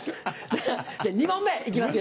じゃあ２問目行きますよ